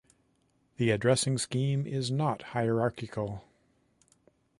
The addressing scheme is not hierarchical.